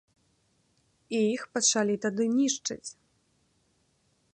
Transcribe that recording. І іх пачалі тады нішчыць.